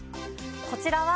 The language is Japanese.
こちらは。